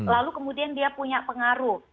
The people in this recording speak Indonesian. lalu kemudian dia punya pengaruh